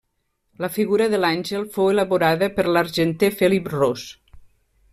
La figura de l'Àngel fou elaborada per l'argenter Felip Ros.